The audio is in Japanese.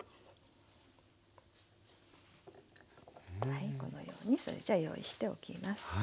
はいこのようにそれじゃ用意しておきます。